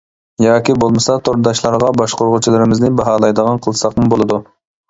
ياكى بولمىسا تورداشلارغا باشقۇرغۇچىلىرىمىزنى باھالايدىغان قىلساقمۇ بولىدۇ.